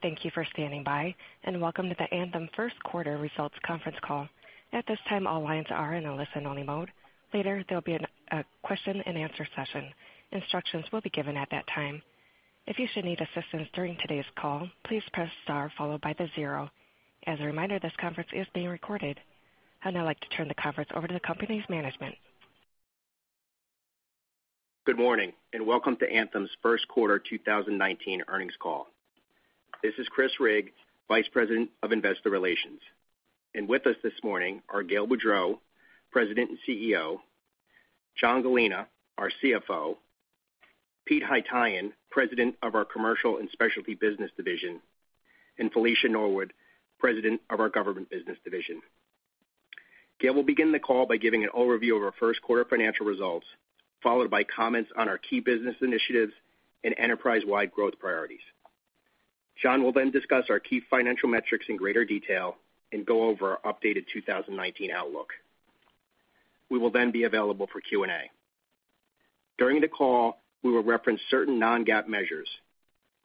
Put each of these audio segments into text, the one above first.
Thank you for standing by, and welcome to the Anthem First Quarter Results Conference Call. At this time, all lines are in a listen-only mode. Later, there'll be a question and answer session. Instructions will be given at that time. If you should need assistance during today's call, please press star followed by the 0. As a reminder, this conference is being recorded. I'd now like to turn the conference over to the company's management. Good morning. Welcome to Anthem's first quarter 2019 earnings call. This is Chris Rigg, Vice President of Investor Relations. With us this morning are Gail Boudreaux, President and CEO, John Gallina, our CFO, Pete Haytaian, President of our Commercial and Specialty Business Division, and Felicia Norwood, President of our Government Business Division. Gail will begin the call by giving an overview of our first quarter financial results, followed by comments on our key business initiatives and enterprise-wide growth priorities. John will discuss our key financial metrics in greater detail and go over our updated 2019 outlook. We will be available for Q&A. During the call, we will reference certain non-GAAP measures.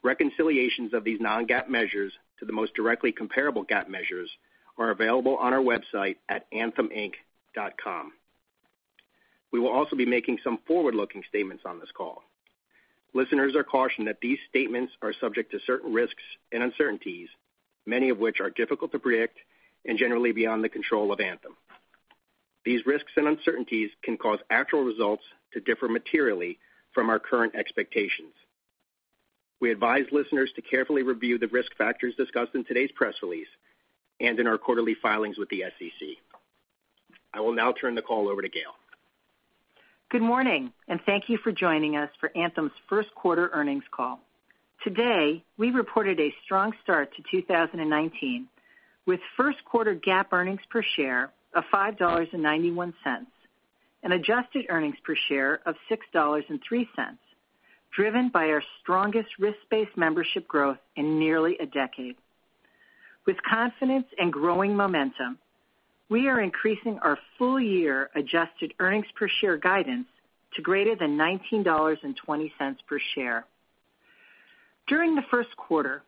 Reconciliations of these non-GAAP measures to the most directly comparable GAAP measures are available on our website at antheminc.com. We will also be making some forward-looking statements on this call. Listeners are cautioned that these statements are subject to certain risks and uncertainties, many of which are difficult to predict and generally beyond the control of Anthem. These risks and uncertainties can cause actual results to differ materially from our current expectations. We advise listeners to carefully review the risk factors discussed in today's press release and in our quarterly filings with the SEC. I will now turn the call over to Gail. Good morning. Thank you for joining us for Anthem's first quarter earnings call. Today, we reported a strong start to 2019 with first quarter GAAP earnings per share of $5.91, an adjusted earnings per share of $6.03, driven by our strongest risk-based membership growth in nearly a decade. With confidence and growing momentum, we are increasing our full year adjusted earnings per share guidance to greater than $19.20 per share. During the first quarter,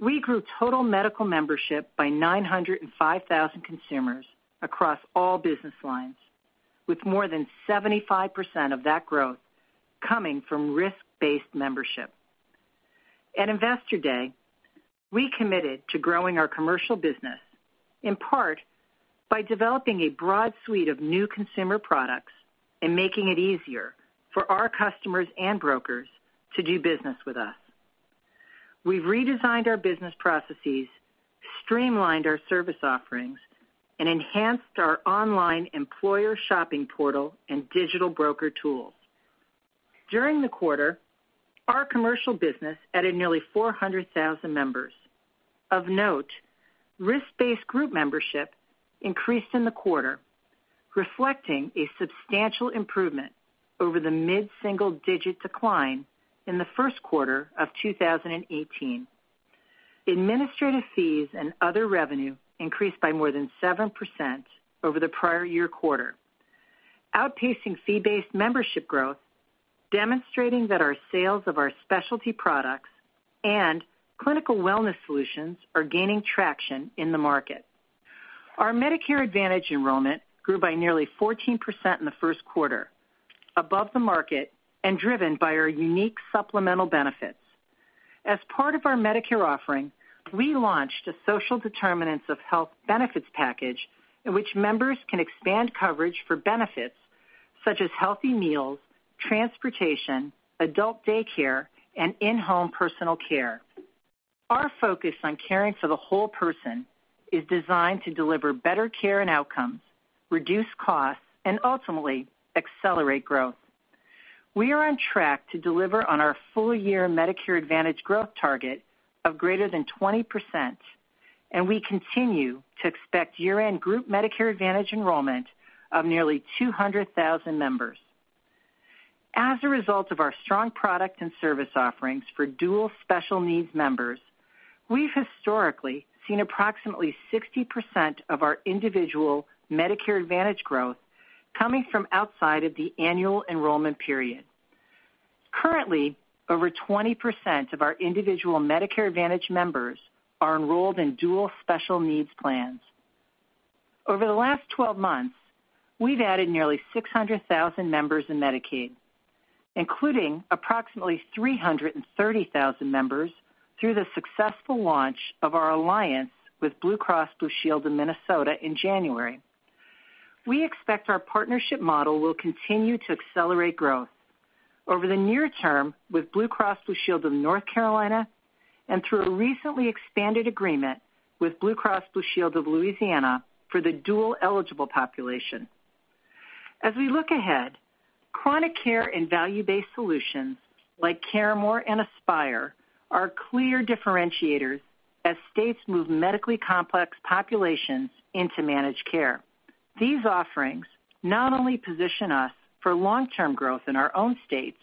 we grew total medical membership by 905,000 consumers across all business lines, with more than 75% of that growth coming from risk-based membership. At Investor Day, we committed to growing our commercial business, in part by developing a broad suite of new consumer products and making it easier for our customers and brokers to do business with us. We've redesigned our business processes, streamlined our service offerings, and enhanced our online employer shopping portal and digital broker tools. During the quarter, our commercial business added nearly 400,000 members. Of note, risk-based group membership increased in the quarter, reflecting a substantial improvement over the mid-single digit decline in the first quarter of 2018. Administrative fees and other revenue increased by more than 7% over the prior year quarter, outpacing fee-based membership growth, demonstrating that our sales of our specialty products and clinical wellness solutions are gaining traction in the market. Our Medicare Advantage enrollment grew by nearly 14% in the first quarter, above the market and driven by our unique supplemental benefits. As part of our Medicare offering, we launched a social determinants of health benefits package in which members can expand coverage for benefits such as healthy meals, transportation, adult daycare, and in-home personal care. Our focus on caring for the whole person is designed to deliver better care and outcomes, reduce costs, and ultimately accelerate growth. We are on track to deliver on our full year Medicare Advantage growth target of greater than 20%, and we continue to expect year-end group Medicare Advantage enrollment of nearly 200,000 members. As a result of our strong product and service offerings for Dual Special Needs members, we've historically seen approximately 60% of our individual Medicare Advantage growth coming from outside of the annual enrollment period. Currently, over 20% of our individual Medicare Advantage members are enrolled in Dual Special Needs plans. Over the last 12 months, we've added nearly 600,000 members in Medicaid, including approximately 330,000 members through the successful launch of our alliance with Blue Cross Blue Shield in Minnesota in January. We expect our partnership model will continue to accelerate growth over the near term with Blue Cross Blue Shield of North Carolina and through a recently expanded agreement with Blue Cross Blue Shield of Louisiana for the dual eligible population. As we look ahead, chronic care and value-based solutions like CareMore and Aspire are clear differentiators as states move medically complex populations into managed care. These offerings not only position us for long-term growth in our own states,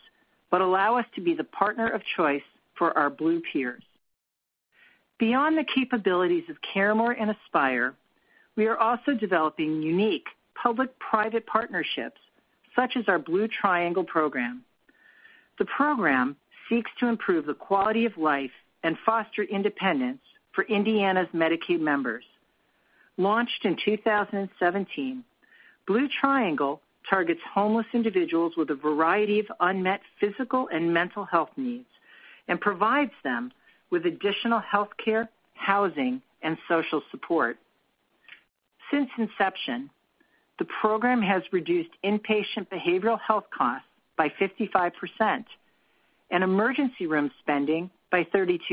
but allow us to be the partner of choice for our Blue peers. Beyond the capabilities of CareMore and Aspire, we are also developing unique public-private partnerships, such as our Blue Triangle program. The program seeks to improve the quality of life and foster independence for Indiana's Medicaid members. Launched in 2017, Blue Triangle targets homeless individuals with a variety of unmet physical and mental health needs and provides them with additional healthcare, housing, and social support. Since inception, the program has reduced inpatient behavioral health costs by 55% and emergency room spending by 32%,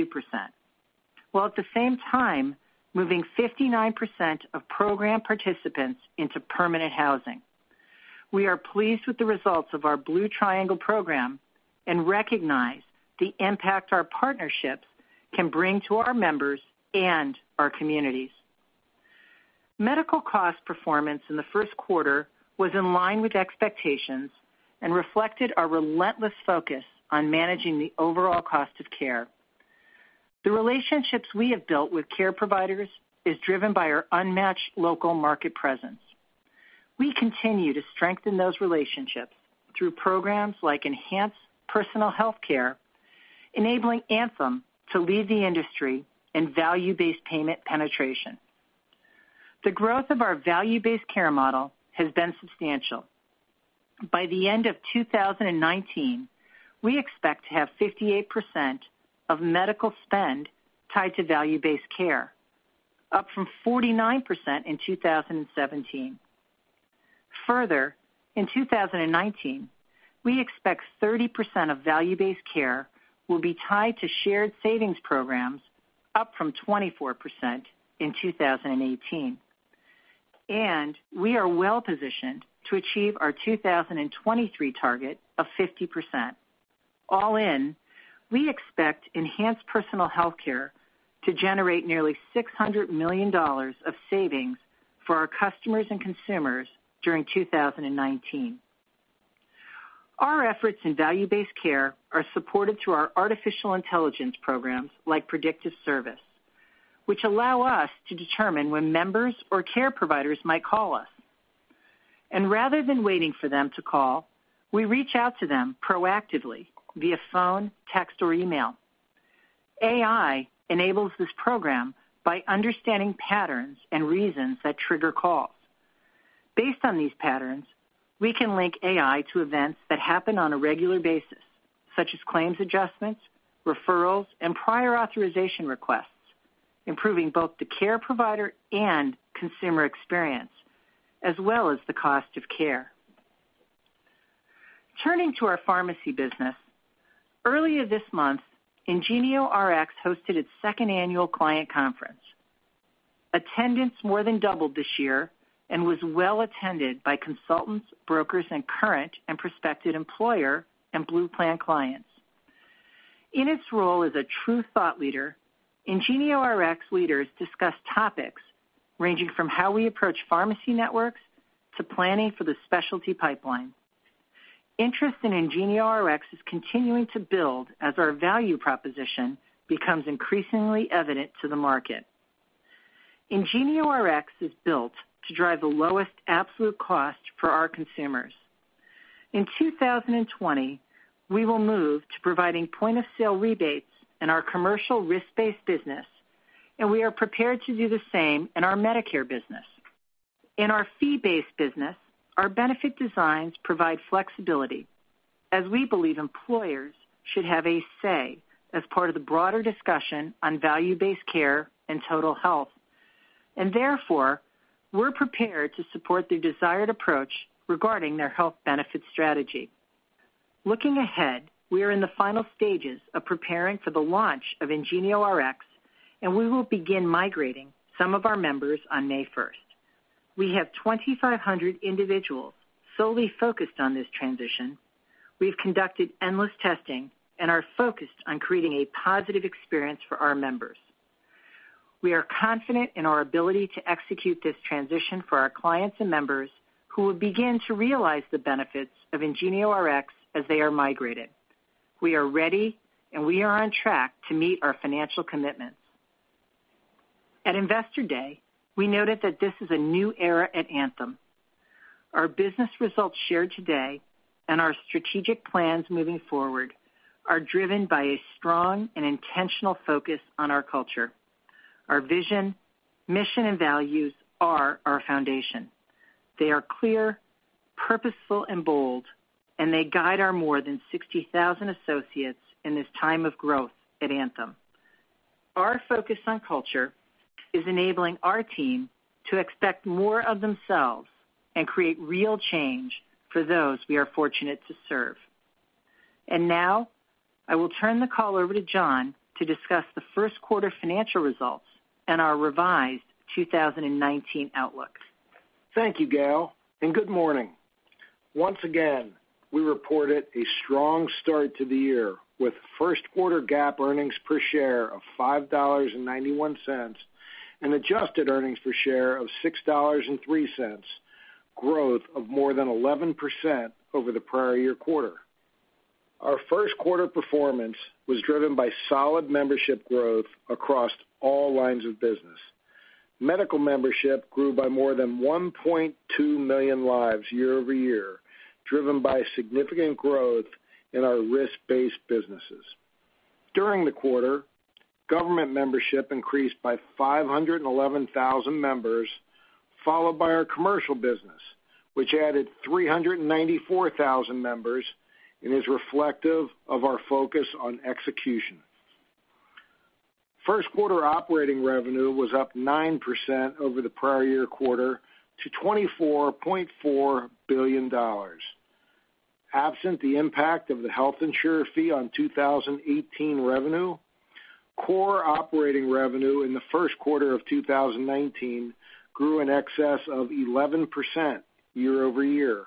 while at the same time moving 59% of program participants into permanent housing. We are pleased with the results of our Blue Triangle program and recognize the impact our partnerships can bring to our members and our communities. Medical cost performance in the first quarter was in line with expectations and reflected our relentless focus on managing the overall cost of care. The relationships we have built with care providers is driven by our unmatched local market presence. We continue to strengthen those relationships through programs like Enhanced Personal Healthcare, enabling Anthem to lead the industry in value-based payment penetration. The growth of our value-based care model has been substantial. By the end of 2019, we expect to have 58% of medical spend tied to value-based care, up from 49% in 2017. In 2019, we expect 30% of value-based care will be tied to shared savings programs, up from 24% in 2018, and we are well positioned to achieve our 2023 target of 50%. All in, we expect Enhanced Personal Healthcare to generate nearly $600 million of savings for our customers and consumers during 2019. Our efforts in value-based care are supported through our artificial intelligence programs like Predictive Service, which allow us to determine when members or care providers might call us. Rather than waiting for them to call, we reach out to them proactively via phone, text, or email. AI enables this program by understanding patterns and reasons that trigger calls. Based on these patterns, we can link AI to events that happen on a regular basis, such as claims adjustments, referrals, and prior authorization requests, improving both the care provider and consumer experience, as well as the cost of care. Turning to our pharmacy business, earlier this month, IngenioRx hosted its second annual client conference. Attendance more than doubled this year and was well attended by consultants, brokers, and current and prospective employer and Blue Plan clients. In its role as a true thought leader, IngenioRx leaders discussed topics ranging from how we approach pharmacy networks to planning for the specialty pipeline. Interest in IngenioRx is continuing to build as our value proposition becomes increasingly evident to the market. IngenioRx is built to drive the lowest absolute cost for our consumers. In 2020, we will move to providing point-of-sale rebates in our commercial risk-based business, we are prepared to do the same in our Medicare business. In our fee-based business, our benefit designs provide flexibility as we believe employers should have a say as part of the broader discussion on value-based care and total health, therefore, we're prepared to support their desired approach regarding their health benefit strategy. Looking ahead, we are in the final stages of preparing for the launch of IngenioRx, we will begin migrating some of our members on May 1st. We have 2,500 individuals solely focused on this transition. We've conducted endless testing and are focused on creating a positive experience for our members. We are confident in our ability to execute this transition for our clients and members who will begin to realize the benefits of IngenioRx as they are migrated. We are ready, we are on track to meet our financial commitments. At Investor Day, we noted that this is a new era at Anthem. Our business results shared today and our strategic plans moving forward are driven by a strong and intentional focus on our culture. Our vision, mission, and values are our foundation. They are clear, purposeful, and bold, they guide our more than 60,000 associates in this time of growth at Anthem. Our focus on culture is enabling our team to expect more of themselves and create real change for those we are fortunate to serve. Now, I will turn the call over to John to discuss the first quarter financial results and our revised 2019 outlook. Thank you, Gail, and good morning. Once again, we reported a strong start to the year with first quarter GAAP earnings per share of $5.91 and adjusted earnings per share of $6.03, growth of more than 11% over the prior year quarter. Our first quarter performance was driven by solid membership growth across all lines of business. Medical membership grew by more than 1.2 million lives year-over-year, driven by significant growth in our risk-based businesses. During the quarter, Government membership increased by 511,000 members, followed by our commercial business, which added 394,000 members and is reflective of our focus on execution. First quarter operating revenue was up 9% over the prior year quarter to $24.4 billion. Absent the impact of the health insurer fee on 2018 revenue, core operating revenue in the first quarter of 2019 grew in excess of 11% year-over-year,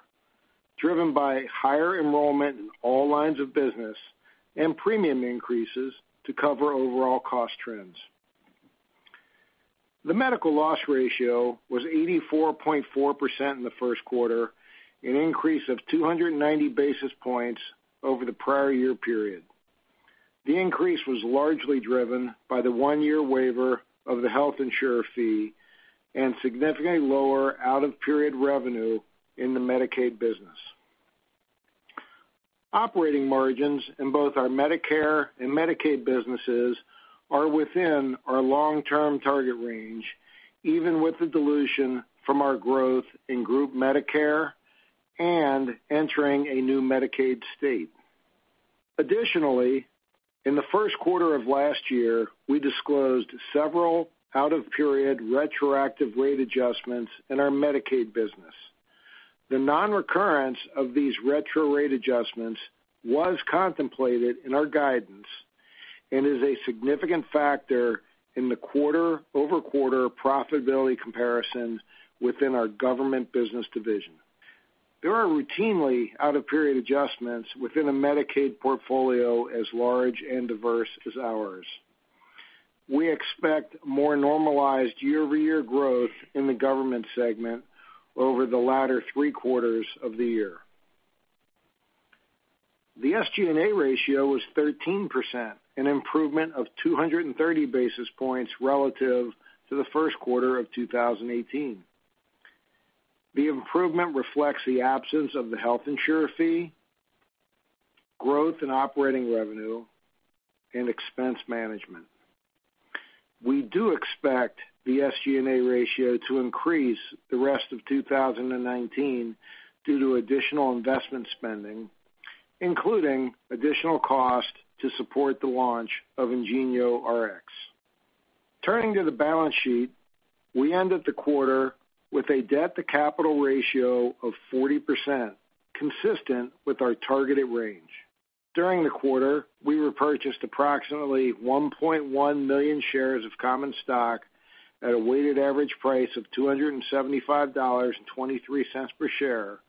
driven by higher enrollment in all lines of business and premium increases to cover overall cost trends. The medical loss ratio was 84.4% in the first quarter, an increase of 290 basis points over the prior year period. The increase was largely driven by the one-year waiver of the health insurer fee and significantly lower out-of-period revenue in the Medicaid business. Operating margins in both our Medicare and Medicaid businesses are within our long-term target range, even with the dilution from our growth in group Medicare and entering a new Medicaid state. Additionally, in the first quarter of last year, we disclosed several out-of-period retroactive rate adjustments in our Medicaid business. The non-recurrence of these retro rate adjustments was contemplated in our guidance and is a significant factor in the quarter-over-quarter profitability comparison within our Government Business Division. There are routinely out-of-period adjustments within a Medicaid portfolio as large and diverse as ours. We expect more normalized year-over-year growth in the government segment over the latter three quarters of the year. The SG&A ratio was 13%, an improvement of 230 basis points relative to the first quarter of 2018. The improvement reflects the absence of the health insurer fee, growth in operating revenue, and expense management. We do expect the SG&A ratio to increase the rest of 2019 due to additional investment spending, including additional cost to support the launch of IngenioRx. Turning to the balance sheet, we ended the quarter with a debt-to-capital ratio of 40%, consistent with our targeted range. During the quarter, we repurchased approximately 1.1 million shares of common stock at a weighted average price of $275.23 per share,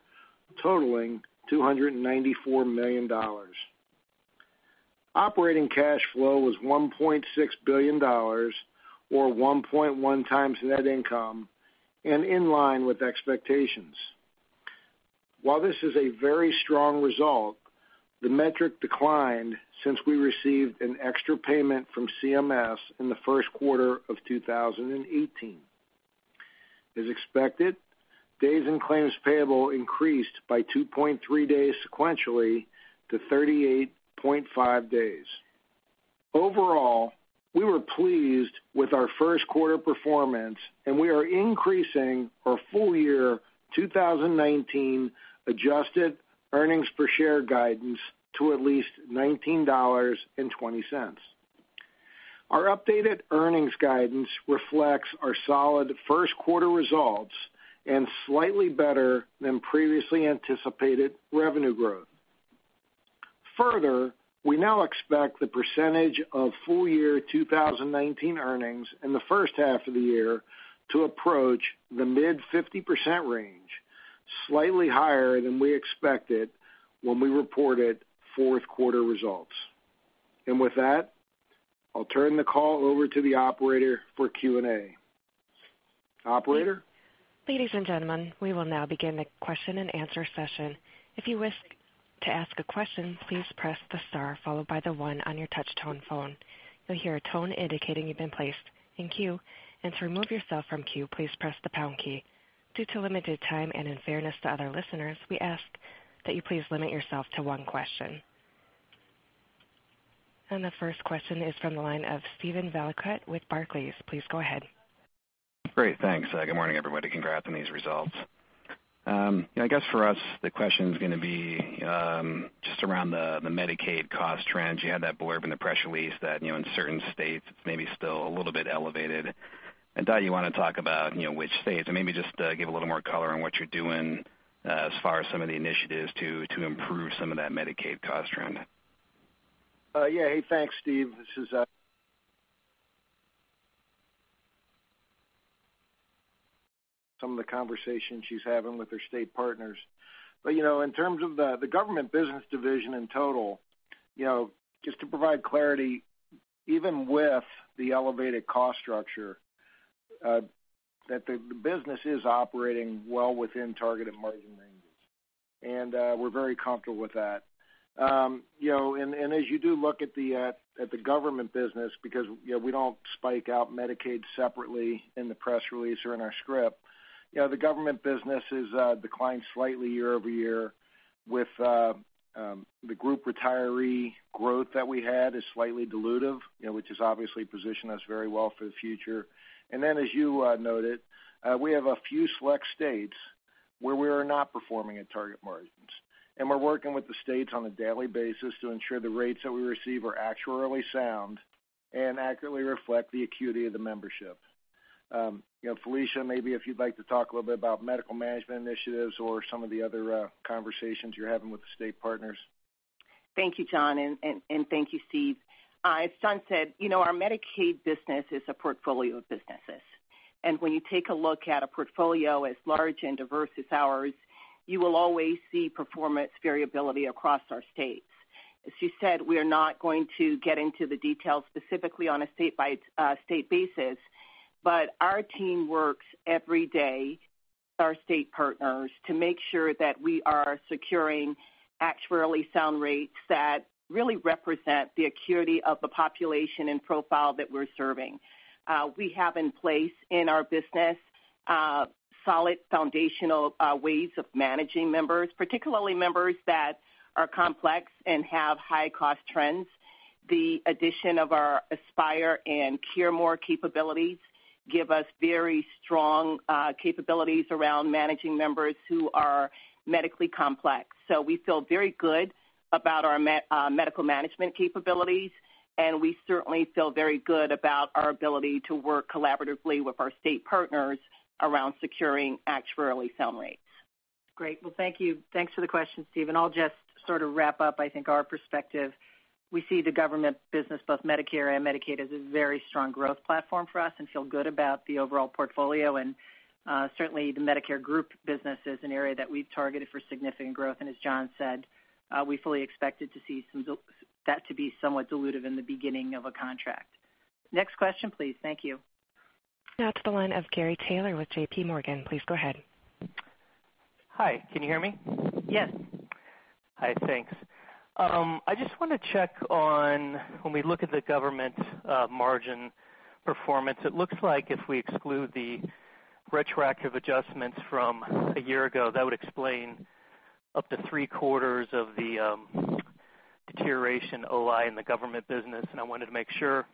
totaling $294 million. Operating cash flow was $1.6 billion, or 1.1 times net income, and in line with expectations. While this is a very strong result, the metric declined since we received an extra payment from CMS in the first quarter of 2018. As expected, days in claims payable increased by 2.3 days sequentially to 38.5 days. Overall, we were pleased with our first quarter performance, and we are increasing our full-year 2019 adjusted earnings per share guidance to at least $19.20. Our updated earnings guidance reflects our solid first quarter results and slightly better than previously anticipated revenue growth. Further, we now expect the percentage of full-year 2019 earnings in the first half of the year to approach the mid 50% range, slightly higher than we expected when we reported fourth quarter results. With that, I'll turn the call over to the operator for Q&A. Operator? Ladies and gentlemen, we will now begin the question and answer session. If you wish to ask a question, please press the star followed by the one on your touch tone phone. You'll hear a tone indicating you've been placed in queue. To remove yourself from queue, please press the pound key. Due to limited time and in fairness to other listeners, we ask that you please limit yourself to one question. The first question is from the line of Steven Valiquette with Barclays. Please go ahead. Great. Thanks. Good morning, everybody. Congrats on these results. I guess for us, the question is going to be just around the Medicaid cost trends. You had that blurb in the press release that in certain states it's maybe still a little bit elevated. I thought you want to talk about which states and maybe just give a little more color on what you're doing as far as some of the initiatives to improve some of that Medicaid cost trend. Yeah. Hey, thanks, Steve. This is some of the conversations she's having with her state partners. In terms of the Government Business Division in total, just to provide clarity, even with the elevated cost structure, the business is operating well within targeted margin ranges. We're very comfortable with that. As you do look at the Government Business, because we don't spike out Medicaid separately in the press release or in our script, the Government Business has declined slightly year-over-year with the group retiree growth that we had is slightly dilutive, which has obviously positioned us very well for the future. Then as you noted, we have a few select states where we are not performing at target margins. We're working with the states on a daily basis to ensure the rates that we receive are actuarially sound and accurately reflect the acuity of the membership. Felicia, maybe if you'd like to talk a little bit about medical management initiatives or some of the other conversations you're having with the state partners. Thank you, John, and thank you, Steve. As John said, our Medicaid business is a portfolio of businesses. When you take a look at a portfolio as large and diverse as ours, you will always see performance variability across our states. As you said, we are not going to get into the details specifically on a state-by-state basis, our team works every day with our state partners to make sure that we are securing actuarially sound rates that really represent the acuity of the population and profile that we're serving. We have in place, in our business, solid foundational ways of managing members, particularly members that are complex and have high cost trends. The addition of our Aspire and CareMore capabilities give us very strong capabilities around managing members who are medically complex. We feel very good about our medical management capabilities, and we certainly feel very good about our ability to work collaboratively with our state partners around securing actuarially sound rates. Great. Well, thank you. Thanks for the question, Steve, and I'll just sort of wrap up, I think, our perspective. We see the government business, both Medicare and Medicaid, as a very strong growth platform for us and feel good about the overall portfolio. Certainly the Medicare group business is an area that we've targeted for significant growth. As John said, we fully expected that to be somewhat dilutive in the beginning of a contract. Next question, please. Thank you. Now to the line of Gary Taylor with JPMorgan. Please go ahead. Hi, can you hear me? Yes. Hi, thanks. I just want to check on when we look at the government margin performance, it looks like if we exclude the retroactive adjustments from a year ago, that would explain up to three-quarters of the deterioration OI in the government business, and I wanted to make sure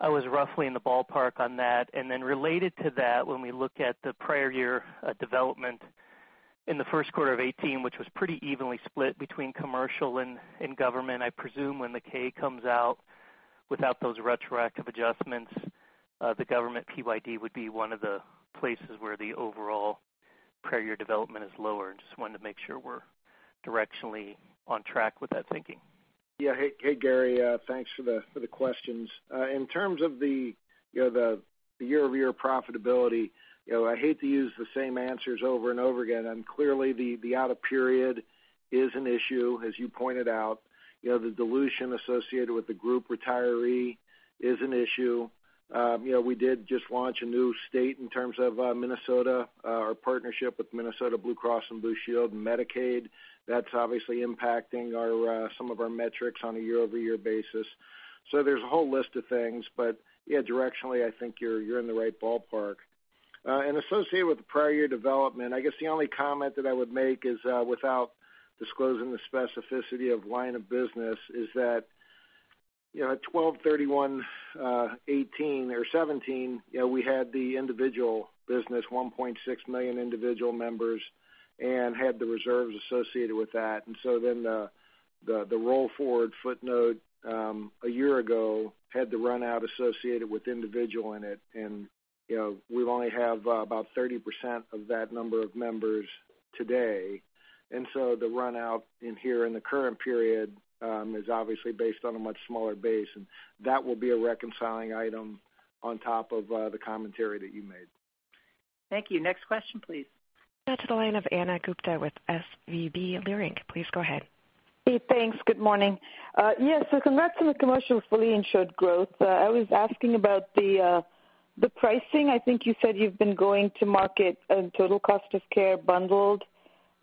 I was roughly in the ballpark on that. Related to that, when we look at the prior year development in the first quarter of 2018, which was pretty evenly split between commercial and government, I presume when the K comes out without those retroactive adjustments, the government PYD would be one of the places where the overall prior year development is lower. Just wanted to make sure we're directionally on track with that thinking. Yeah. Hey, Gary. Thanks for the questions. In terms of the year-over-year profitability, I hate to use the same answers over and over again, clearly the out-of-period is an issue, as you pointed out. The dilution associated with the group retiree is an issue. We did just launch a new state in terms of Minnesota, our partnership with Minnesota Blue Cross and Blue Shield and Medicaid. That's obviously impacting some of our metrics on a year-over-year basis. There's a whole list of things, but directionally, I think you're in the right ballpark. Associated with the prior year development, I guess the only comment that I would make is, without disclosing the specificity of line of business, is that at 12/31/2018 or 2017, we had the individual business, 1.6 million individual members, and had the reserves associated with that. The roll-forward footnote, a year ago, had the run-out associated with individual in it, and we only have about 30% of that number of members today. The run-out in here in the current period is obviously based on a much smaller base, and that will be a reconciling item on top of the commentary that you made. Thank you. Next question, please. Now to the line of Ana Gupte with SVB Leerink. Please go ahead. Pete, thanks. Good morning. Congrats on the commercial fully insured growth. I was asking about the pricing. I think you said you've been going to market a total cost of care bundled.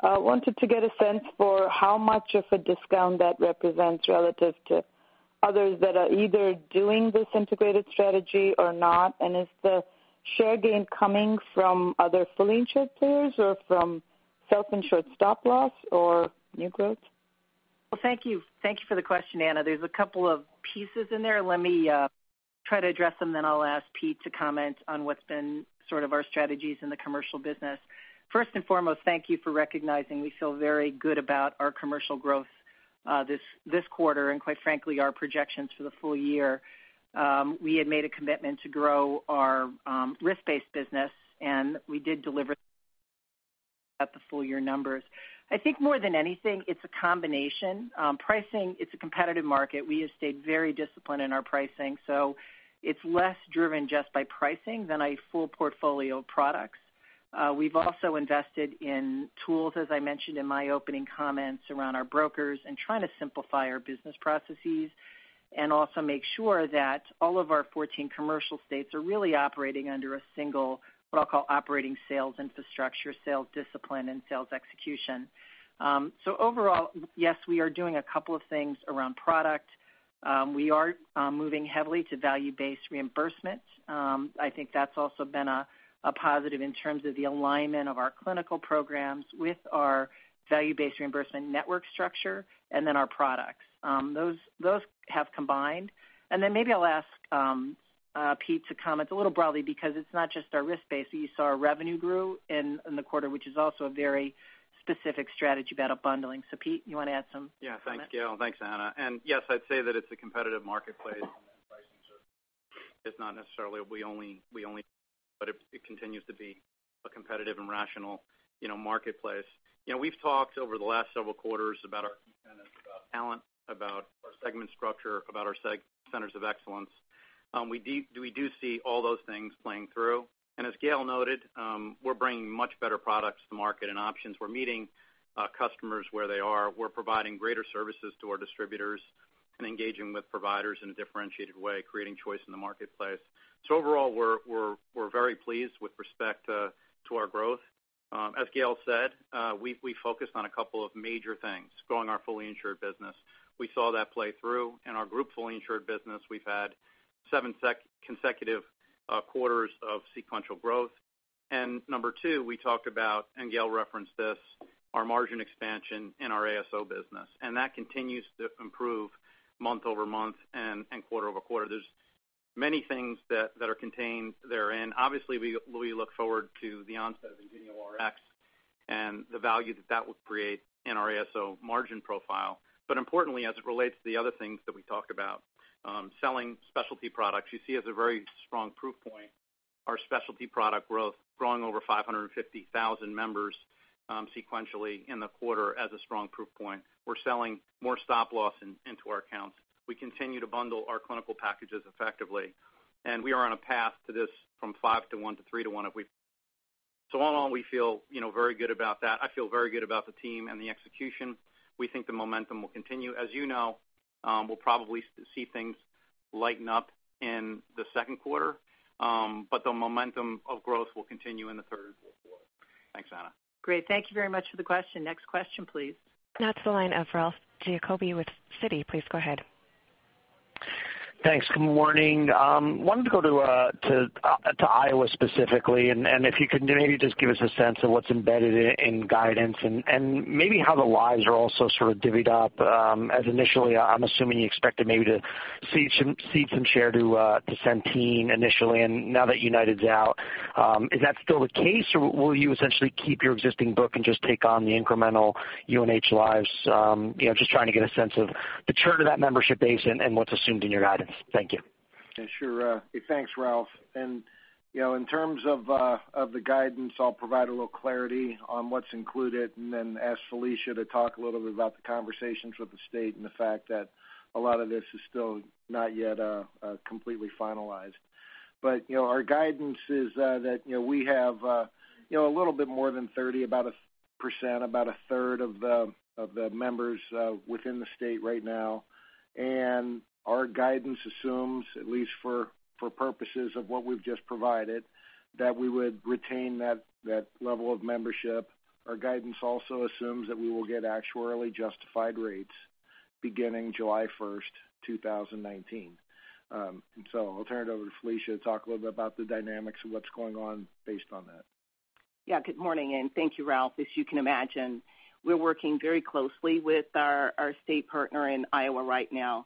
Wanted to get a sense for how much of a discount that represents relative to others that are either doing this integrated strategy or not. Is the share gain coming from other fully insured players or from self-insured stop-loss or new growth? Well, thank you. Thank you for the question, Ana. There's a couple of pieces in there. Let me try to address them, then I'll ask Pete to comment on what's been sort of our strategies in the commercial business. First and foremost, thank you for recognizing we feel very good about our commercial growth this quarter, and quite frankly, our projections for the full year. We had made a commitment to grow our risk-based business, and we did deliver at the full-year numbers. I think more than anything, it's a combination. Pricing, it's a competitive market. We have stayed very disciplined in our pricing, so it's less driven just by pricing than a full portfolio of products. We've also invested in tools, as I mentioned in my opening comments, around our brokers and trying to simplify our business processes, and also make sure that all of our 14 commercial states are really operating under a single, what I'll call operating sales infrastructure, sales discipline, and sales execution. Overall, yes, we are doing a couple of things around product. We are moving heavily to value-based reimbursement. I think that's also been a positive in terms of the alignment of our clinical programs with our value-based reimbursement network structure and then our products. Those have combined. Maybe I'll ask Pete to comment a little broadly because it's not just our risk-based that you saw our revenue grew in the quarter, which is also a very specific strategy about bundling. Pete, you want to add some comments? Yeah. Thanks, Gail. Thanks, Anna. Yes, I'd say that it's a competitive marketplace and that pricing is not necessarily we only, but it continues to be a competitive and rational marketplace. We've talked over the last several quarters about our competitiveness, about talent, about our segment structure, about our centers of excellence. We do see all those things playing through. As Gail noted, we're bringing much better products to market and options. We're meeting customers where they are. We're providing greater services to our distributors and engaging with providers in a differentiated way, creating choice in the marketplace. Overall, we're very pleased with respect to our growth. As Gail said, we focused on a couple of major things, growing our fully insured business. We saw that play through. In our group fully insured business, we've had seven consecutive quarters of sequential growth. Number 2, we talked about, and Gail referenced this, our margin expansion in our ASO business, and that continues to improve month-over-month and quarter-over-quarter. There's many things that are contained therein. Obviously, we look forward to the onset of IngenioRx and the value that that will create in our ASO margin profile. Importantly, as it relates to the other things that we talked about, selling specialty products, you see as a very strong proof point our specialty product growth growing over 550,000 members sequentially in the quarter as a strong proof point. We're selling more stop loss into our accounts. We continue to bundle our clinical packages effectively, and we are on a path to this from 5 to 1 to 3 to 1 if we. All in all, we feel very good about that. I feel very good about the team and the execution. We think the momentum will continue. As you know, we'll probably see things lighten up in the second quarter, the momentum of growth will continue in the third and fourth quarter. Thanks, Anna. Great. Thank you very much for the question. Next question, please. Now to the line of Ralph Giacobbe with Citi. Please go ahead. Thanks. Good morning. Wanted to go to Iowa specifically. If you could maybe just give us a sense of what's embedded in guidance and maybe how the lives are also sort of divvied up. As initially, I'm assuming you expected maybe to cede some share to Centene initially. Now that United's out, is that still the case, or will you essentially keep your existing book and just take on the incremental UNH lives? Just trying to get a sense of the churn of that membership base and what's assumed in your guidance. Thank you. Yeah, sure. Thanks, Ralph. In terms of the guidance, I'll provide a little clarity on what's included and then ask Felicia to talk a little bit about the conversations with the state and the fact that a lot of this is still not yet completely finalized. Our guidance is that we have a little bit more than 30%, about a third of the members within the state right now. Our guidance assumes, at least for purposes of what we've just provided, that we would retain that level of membership. Our guidance also assumes that we will get actuarially justified rates beginning July 1st, 2019. I'll turn it over to Felicia to talk a little bit about the dynamics of what's going on based on that. Yeah, good morning, and thank you, Ralph. As you can imagine, we're working very closely with our state partner in Iowa right now.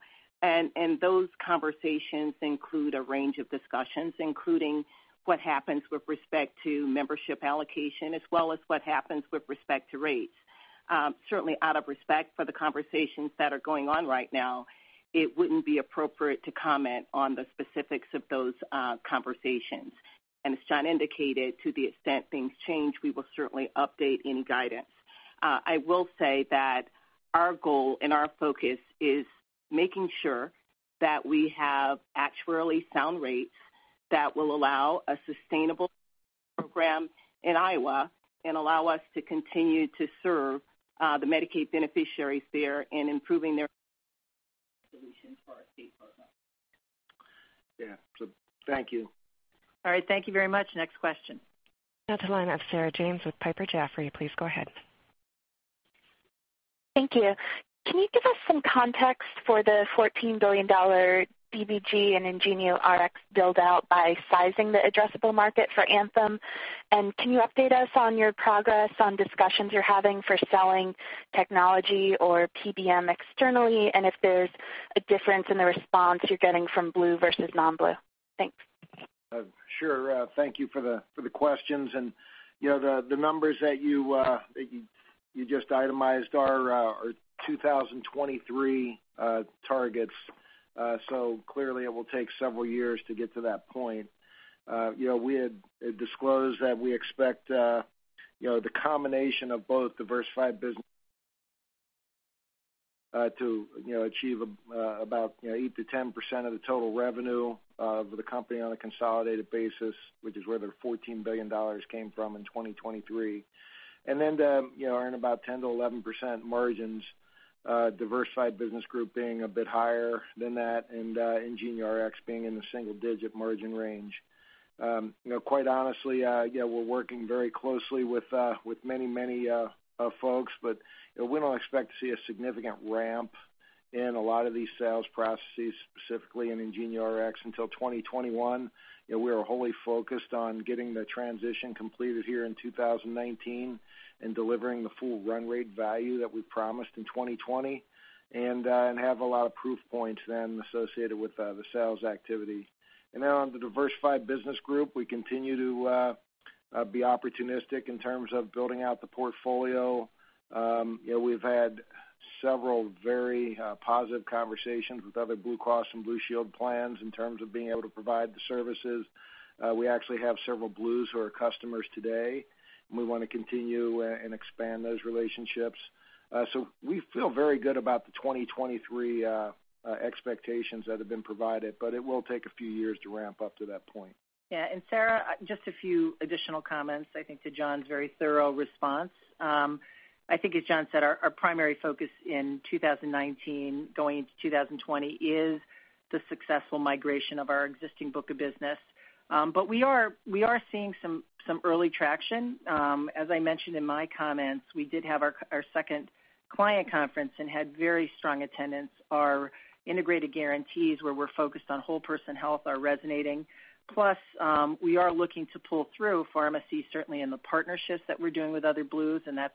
Those conversations include a range of discussions, including what happens with respect to membership allocation, as well as what happens with respect to rates. Certainly out of respect for the conversations that are going on right now, it wouldn't be appropriate to comment on the specifics of those conversations. As John indicated, to the extent things change, we will certainly update any guidance. I will say that our goal and our focus is making sure that we have actuarially sound rates that will allow a sustainable program in Iowa and allow us to continue to serve the Medicaid beneficiaries there in improving their solutions for our state partner. Yeah. Thank you. All right. Thank you very much. Next question. Now to the line of Sarah James with Piper Jaffray. Please go ahead. Thank you. Can you give us some context for the $14 billion DBG and IngenioRx build-out by sizing the addressable market for Anthem? Can you update us on your progress on discussions you're having for selling technology or PBM externally, and if there's a difference in the response you're getting from Blue versus non-Blue? Thanks. Sure. Thank you for the questions. The numbers that you just itemized are 2023 targets. Clearly it will take several years to get to that point. We had disclosed that we expect the combination of both Diversified Business Group to achieve about 8%-10% of the total revenue of the company on a consolidated basis, which is where their $14 billion came from in 2023. Then to earn about 10%-11% margins, Diversified Business Group being a bit higher than that, and IngenioRx being in the single-digit margin range. Quite honestly, we're working very closely with many folks, but we don't expect to see a significant ramp in a lot of these sales processes, specifically in IngenioRx, until 2021. We are wholly focused on getting the transition completed here in 2019 and delivering the full run rate value that we promised in 2020 and have a lot of proof points then associated with the sales activity. On the Diversified Business Group, we continue to be opportunistic in terms of building out the portfolio. We've had several very positive conversations with other Blue Cross and Blue Shield plans in terms of being able to provide the services. We actually have several Blues who are customers today, and we want to continue and expand those relationships. We feel very good about the 2023 expectations that have been provided, but it will take a few years to ramp up to that point. Sarah, just a few additional comments, I think, to John's very thorough response. As John said, our primary focus in 2019 going into 2020 is the successful migration of our existing book of business. We are seeing some early traction. As I mentioned in my comments, we did have our second client conference and had very strong attendance. Our integrated guarantees, where we're focused on whole person health, are resonating. We are looking to pull through pharmacy, certainly in the partnerships that we're doing with other Blues, and that's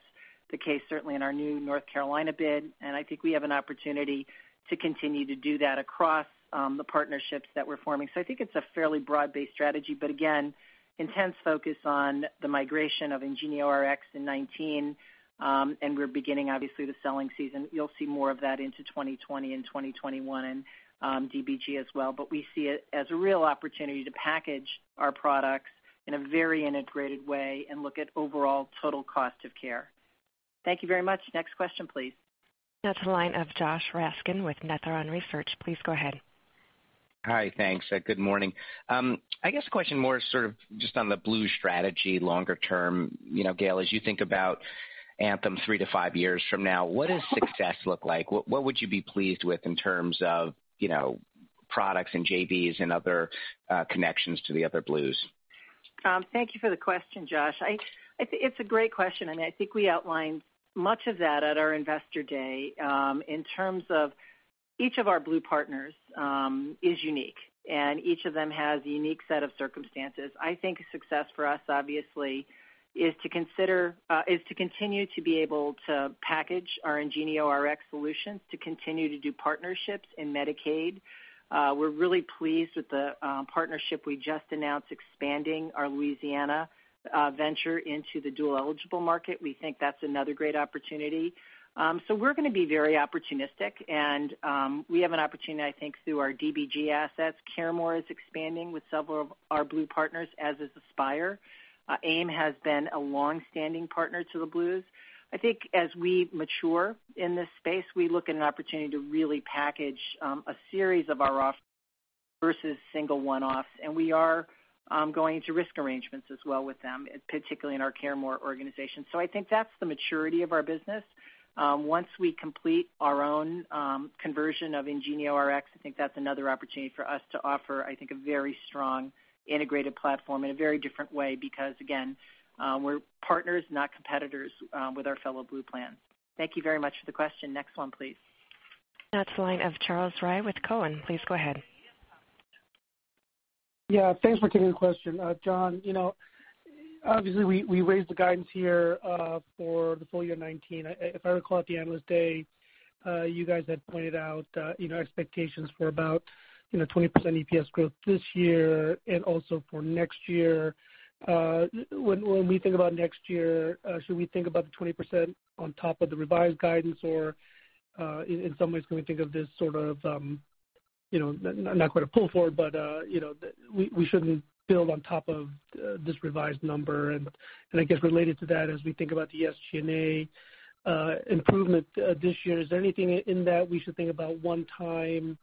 the case certainly in our new North Carolina bid. I think we have an opportunity to continue to do that across the partnerships that we're forming. I think it's a fairly broad-based strategy, but again, intense focus on the migration of IngenioRx in 2019. We're beginning, obviously, the selling season. You'll see more of that into 2020 and 2021 in DBG as well. We see it as a real opportunity to package our products in a very integrated way and look at overall total cost of care. Thank you very much. Next question, please. Now to the line of Josh Raskin with Nephron Research. Please go ahead. Hi, thanks. Good morning. I guess a question more sort of just on the Blue strategy longer term. Gail, as you think about Anthem three to five years from now, what does success look like? What would you be pleased with in terms of products and JVs and other connections to the other Blues? Thank you for the question, Josh. It's a great question. I think we outlined much of that at our Investor Day. In terms of each of our Blue partners is unique, and each of them has a unique set of circumstances. I think success for us, obviously, is to continue to be able to package our IngenioRx solutions to continue to do partnerships in Medicaid. We're really pleased with the partnership we just announced expanding our Louisiana venture into the dual-eligible market. We think that's another great opportunity. We're going to be very opportunistic, and we have an opportunity, I think, through our DBG assets. CareMore is expanding with several of our Blue partners, as is Aspire. AIM has been a longstanding partner to the Blues. I think as we mature in this space, we look at an opportunity to really package a series of our offers versus single one-offs. We are going into risk arrangements as well with them, particularly in our CareMore organization. I think that's the maturity of our business. Once we complete our own conversion of IngenioRx, I think that's another opportunity for us to offer, I think, a very strong integrated platform in a very different way because, again, we're partners, not competitors, with our fellow Blue plans. Thank you very much for the question. Next one, please. Now it's the line of Charles Rhyee with Cowen. Please go ahead. Yeah. Thanks for taking the question. John, obviously, we raised the guidance here for the full year 2019. If I recall at the Investor Day, you guys had pointed out expectations for about 20% EPS growth this year and also for next year. When we think about next year, should we think about the 20% on top of the revised guidance? Or in some ways, can we think of this sort of, not quite a pull forward, but we shouldn't build on top of this revised number? And I guess related to that, as we think about the SGA improvement this year, is there anything in that we should think about one-time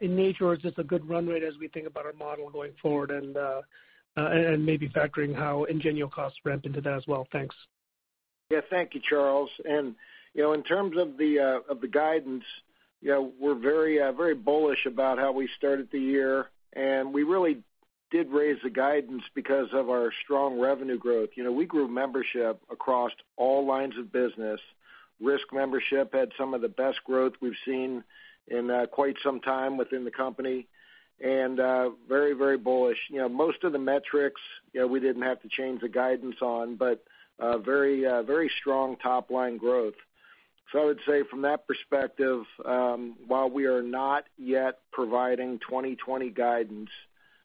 in nature, or is this a good run rate as we think about our model going forward and maybe factoring how Ingenio costs ramp into that as well? Thanks. Yeah. Thank you, Charles. In terms of the guidance, we're very bullish about how we started the year, we really did raise the guidance because of our strong revenue growth. We grew membership across all lines of business. Risk membership had some of the best growth we've seen in quite some time within the company, very bullish. Most of the metrics we didn't have to change the guidance on, but very strong top-line growth. I would say from that perspective, while we are not yet providing 2020 guidance,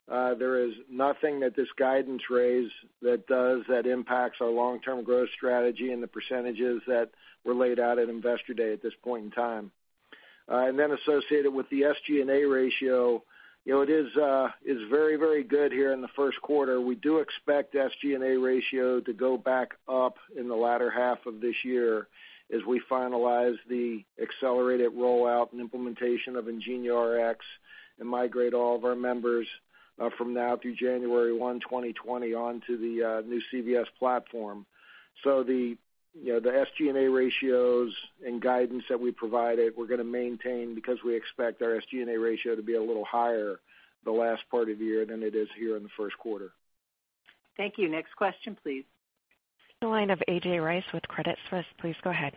there is nothing that this guidance raise that does that impacts our long-term growth strategy and the percentages that were laid out at Investor Day at this point in time. Associated with the SGA ratio, it is very, very good here in the first quarter. We do expect SGA ratio to go back up in the latter half of this year as we finalize the accelerated rollout and implementation of IngenioRx and migrate all of our members from now through January 1, 2020, onto the new CVS platform. The SGA ratios and guidance that we provided, we're going to maintain because we expect our SGA ratio to be a little higher the last part of the year than it is here in the first quarter. Thank you. Next question, please. The line of A.J. Rice with Credit Suisse. Please go ahead.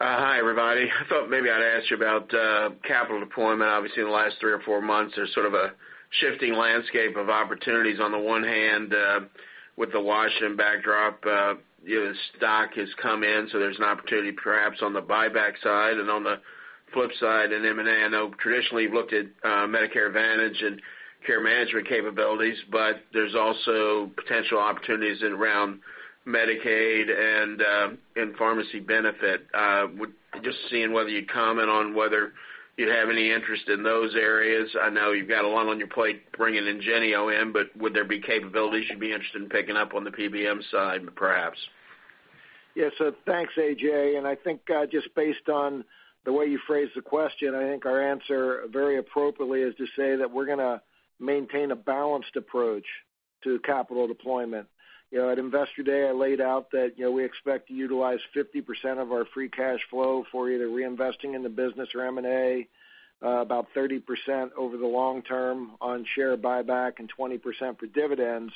Hi, everybody. I thought maybe I'd ask you about capital deployment. Obviously, in the last three or four months, there's sort of a shifting landscape of opportunities. On the one hand, with the Washington backdrop, stock has come in, there's an opportunity perhaps on the buyback side. On the flip side, in M&A, I know traditionally you've looked at Medicare Advantage and care management capabilities, but there's also potential opportunities around Medicaid and in pharmacy benefit. Just seeing whether you'd comment on whether you have any interest in those areas. I know you've got a lot on your plate bringing Ingenio in, but would there be capabilities you'd be interested in picking up on the PBM side, perhaps? Yeah. Thanks, A.J. I think just based on the way you phrased the question, I think our answer very appropriately is to say that we're going to maintain a balanced approach to capital deployment. At Investor Day, I laid out that we expect to utilize 50% of our free cash flow for either reinvesting in the business or M&A, about 30% over the long term on share buyback, and 20% for dividends.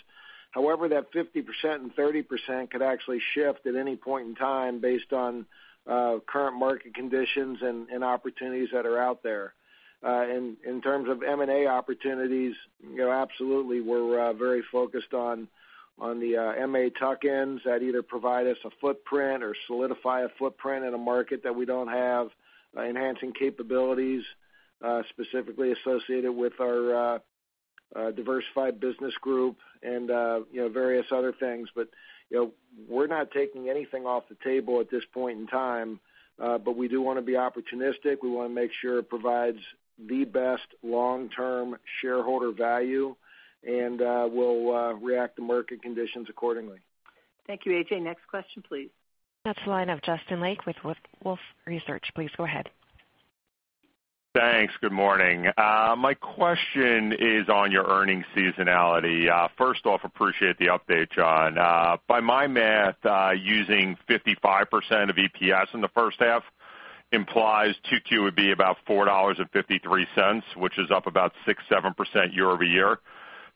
However, that 50% and 30% could actually shift at any point in time based on current market conditions and opportunities that are out there. In terms of M&A opportunities, absolutely, we're very focused on the MA tuck-ins that either provide us a footprint or solidify a footprint in a market that we don't have, enhancing capabilities specifically associated with our Diversified Business Group and various other things. We're not taking anything off the table at this point in time. We do want to be opportunistic. We want to make sure it provides the best long-term shareholder value, we'll react to market conditions accordingly. Thank you, A.J. Next question, please. That's the line of Justin Lake with Wolfe Research. Please go ahead. Thanks. Good morning. My question is on your earnings seasonality. First off, appreciate the update, John. By my math, using 55% of EPS in the first half implies 2Q would be about $4.53, which is up about six, seven%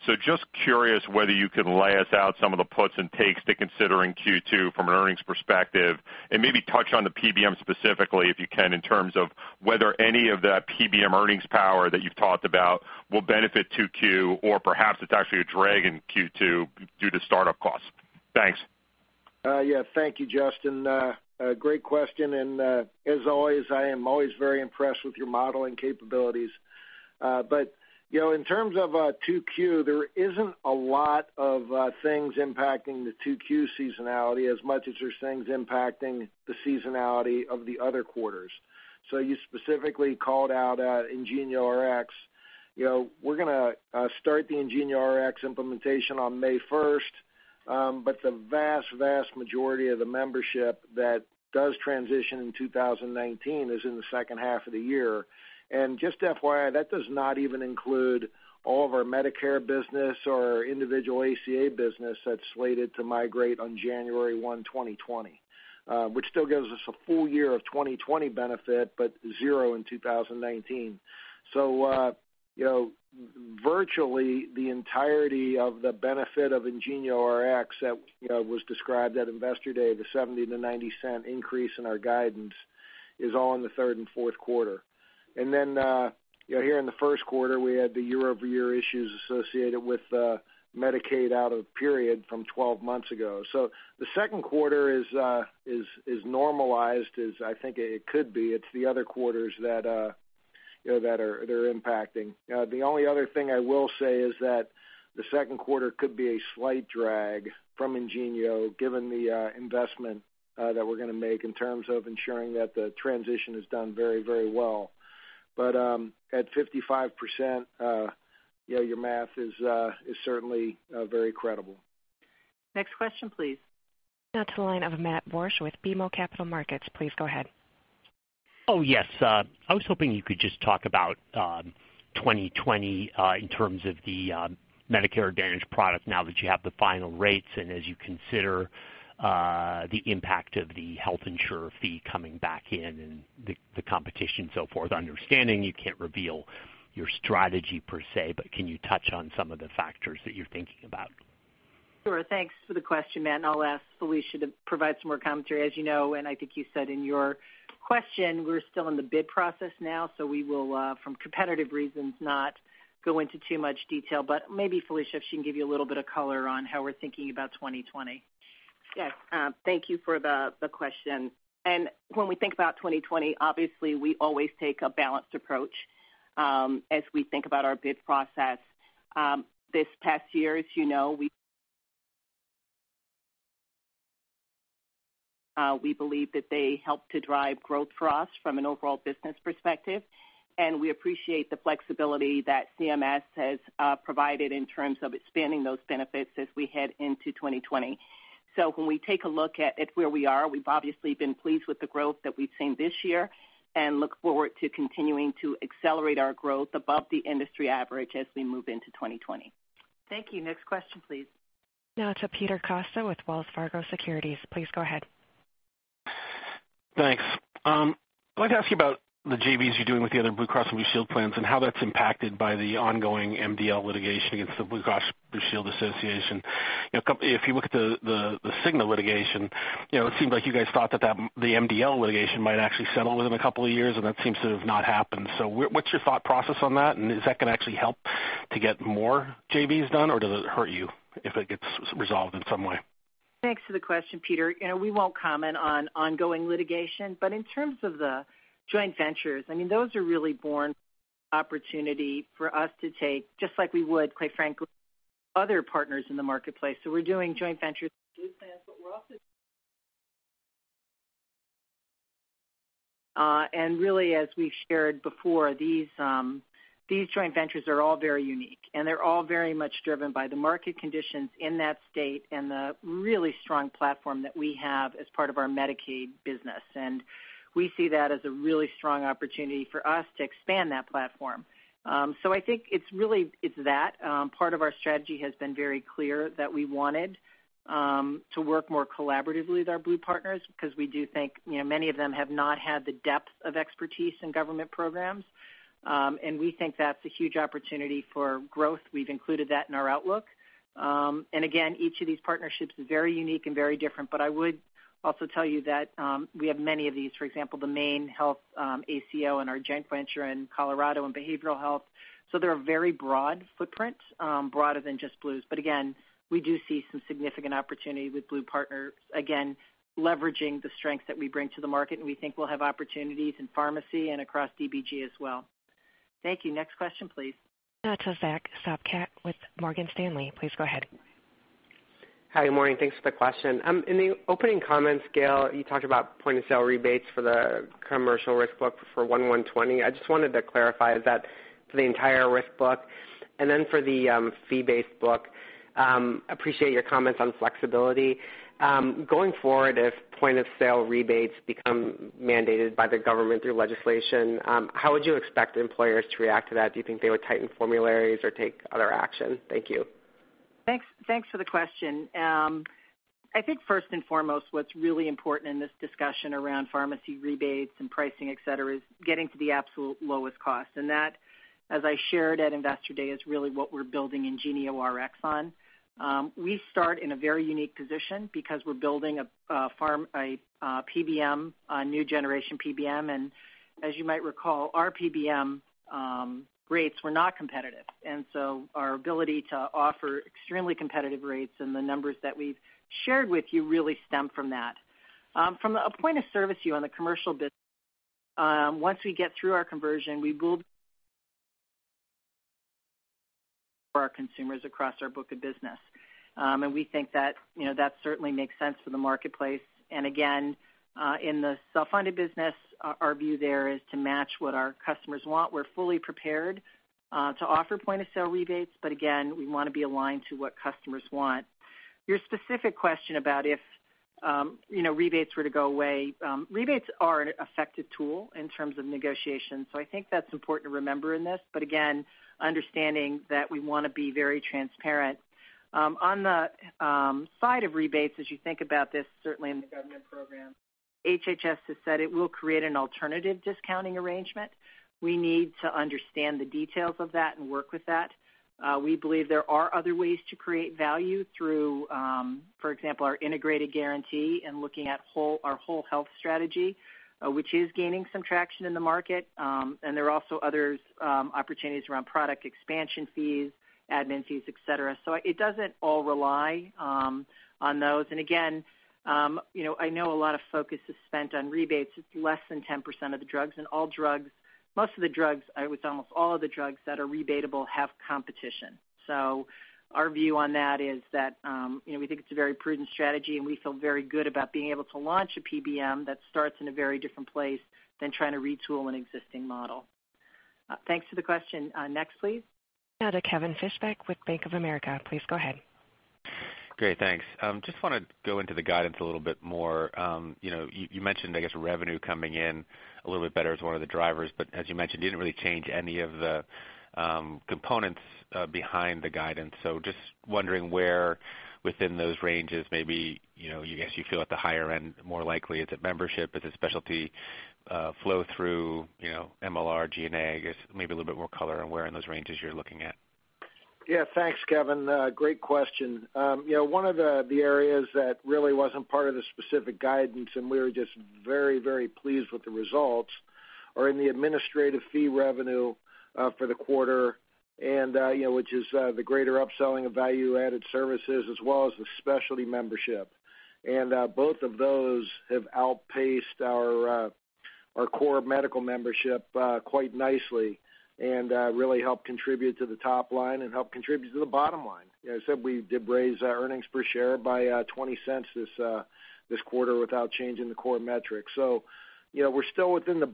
year-over-year. Just curious whether you could lay us out some of the puts and takes to consider in Q2 from an earnings perspective, and maybe touch on the PBM specifically, if you can, in terms of whether any of that PBM earnings power that you've talked about will benefit 2Q or perhaps it's actually a drag in Q2 due to start-up costs. Thanks. Yeah. Thank you, Justin. A great question, and as always, I am always very impressed with your modeling capabilities. In terms of 2Q, there isn't a lot of things impacting the 2Q seasonality as much as there's things impacting the seasonality of the other quarters. You specifically called out IngenioRx. We're going to start the IngenioRx implementation on May 1st, but the vast majority of the membership that does transition in 2019 is in the second half of the year. Just an FYI, that does not even include all of our Medicare business or individual ACA business that's slated to migrate on January 1, 2020, which still gives us a full year of 2020 benefit, but zero in 2019. Virtually, the entirety of the benefit of IngenioRx that was described at Investor Day, the $0.70-$0.90 increase in our guidance, is all in the third and fourth quarter. Here in the first quarter, we had the year-over-year issues associated with Medicaid out of period from 12 months ago. The second quarter is normalized as I think it could be. It's the other quarters that are impacting. The only other thing I will say is that the second quarter could be a slight drag from Ingenio, given the investment that we're going to make in terms of ensuring that the transition is done very well. At 55%, your math is certainly very credible. Next question, please. Now to the line of Matt Borsch with BMO Capital Markets. Please go ahead. Oh, yes. I was hoping you could just talk about 2020 in terms of the Medicare Advantage product now that you have the final rates and as you consider the impact of the health insurer fee coming back in and the competition, so forth. Understanding you can't reveal your strategy per se, can you touch on some of the factors that you're thinking about? Sure. Thanks for the question, Matt, I'll ask Felicia to provide some more commentary. As you know, I think you said in your question, we're still in the bid process now, we will, from competitive reasons, not go into too much detail. Maybe Felicia, if she can give you a little bit of color on how we're thinking about 2020. Yes. Thank you for the question. When we think about 2020, obviously, we always take a balanced approach as we think about our bid process. This past year, as you know. We believe that they help to drive growth for us from an overall business perspective, and we appreciate the flexibility that CMS has provided in terms of expanding those benefits as we head into 2020. When we take a look at where we are, we've obviously been pleased with the growth that we've seen this year and look forward to continuing to accelerate our growth above the industry average as we move into 2020. Thank you. Next question, please. To Peter Costa with Wells Fargo Securities. Please go ahead. Thanks. I'd like to ask you about the JVs you're doing with the other Blue Cross and Blue Shield plans and how that's impacted by the ongoing MDL litigation against the Blue Cross Blue Shield Association. If you look at the Cigna litigation, it seemed like you guys thought that the MDL litigation might actually settle within a couple of years, that seems to have not happened. What's your thought process on that, is that going to actually help to get more JVs done, or does it hurt you if it gets resolved in some way? Thanks for the question, Peter. We won't comment on ongoing litigation, but in terms of the joint ventures, those are really borne opportunity for us to take, just like we would, quite frankly, other partners in the marketplace. We're doing joint ventures with Blue plans. Really, as we've shared before, these joint ventures are all very unique, they're all very much driven by the market conditions in that state and the really strong platform that we have as part of our Medicaid business. We see that as a really strong opportunity for us to expand that platform. I think it's that. Part of our strategy has been very clear that we wanted to work more collaboratively with our Blue partners because we do think many of them have not had the depth of expertise in government programs, we think that's a huge opportunity for growth. We've included that in our outlook. Again, each of these partnerships is very unique and very different. I would also tell you that we have many of these. For example, the MaineHealth ACO and our joint venture in Colorado and behavioral health. They're a very broad footprint, broader than just Blues. Again, we do see some significant opportunity with Blue partners, again, leveraging the strengths that we bring to the market, we think we'll have opportunities in pharmacy and across DBG as well. Thank you. Next question, please. Now to Zack Sopcak with Morgan Stanley. Please go ahead. Hi, good morning. Thanks for the question. In the opening comments, Gail, you talked about point-of-sale rebates for the commercial risk book for 1-1-2020. Then for the fee-based book, appreciate your comments on flexibility. Going forward, if point-of-sale rebates become mandated by the government through legislation, how would you expect employers to react to that? Do you think they would tighten formularies or take other action? Thank you. Thanks for the question. I think first and foremost, what's really important in this discussion around pharmacy rebates and pricing, et cetera, is getting to the absolute lowest cost. That, as I shared at Investor Day, is really what we're building IngenioRx on. We start in a very unique position because we're building a new generation PBM, and as you might recall, our PBM rates were not competitive. Our ability to offer extremely competitive rates and the numbers that we've shared with you really stem from that. From a point-of-service view on the commercial business, once we get through our conversion, we will for our consumers across our book of business. We think that certainly makes sense for the marketplace. Again, in the self-funded business, our view there is to match what our customers want. We're fully prepared to offer point-of-sale rebates, but again, we want to be aligned to what customers want. Your specific question about if rebates were to go away, rebates are an effective tool in terms of negotiation, so I think that's important to remember in this, but again, understanding that we want to be very transparent. On the side of rebates, as you think about this, certainly in the government program, HHS has said it will create an alternative discounting arrangement. We need to understand the details of that and work with that. We believe there are other ways to create value through, for example, our integrated guarantee and looking at our whole health strategy, which is gaining some traction in the market. There are also other opportunities around product expansion fees, admin fees, et cetera. It doesn't all rely on those. Again, I know a lot of focus is spent on rebates. It's less than 10% of the drugs, and most of the drugs, I would say almost all of the drugs that are rebatable have competition. Our view on that is that we think it's a very prudent strategy, and we feel very good about being able to launch a PBM that starts in a very different place than trying to retool an existing model. Thanks for the question. Next, please. To Kevin Fischbeck with Bank of America. Please go ahead. Great. Thanks. Just want to go into the guidance a little bit more. You mentioned, I guess, revenue coming in a little bit better as one of the drivers, but as you mentioned, you didn't really change any of the components behind the guidance. Just wondering where within those ranges, maybe you feel at the higher end, more likely is it membership? Is it specialty flow through MLR G&A? I guess maybe a little bit more color on where in those ranges you're looking at. Yeah. Thanks, Kevin. Great question. One of the areas that really wasn't part of the specific guidance, and we were just very pleased with the results, are in the administrative fee revenue for the quarter, which is the greater upselling of value-added services as well as the specialty membership. Both of those have outpaced Our core medical membership quite nicely and really helped contribute to the top line and helped contribute to the bottom line. As I said, we did raise our earnings per share by $0.20 this quarter without changing the core metrics. We're still within the